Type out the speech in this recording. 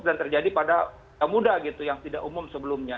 dan terjadi pada muda gitu yang tidak umum sebelumnya